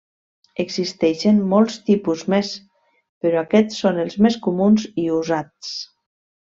Existeixen molts tipus més, però aquests són els més comuns i usats.